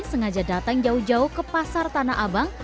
sengaja datang jauh jauh ke pasar tanah abang